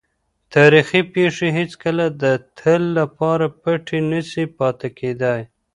تاریخي پېښې هېڅکله د تل لپاره پټې نه سي پاتې کېدای.